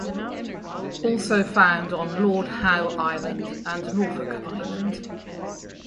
Also found on Lord Howe Island and Norfolk Island.